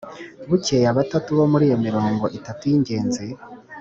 Bukeye abatatu bo muri mirongo itatu y ingenzi